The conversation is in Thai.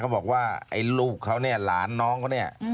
บอกว่าไอ้ลูกเขาเนี่ยหลานน้องเขาเนี่ย